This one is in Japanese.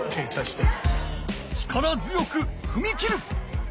力強くふみ切る！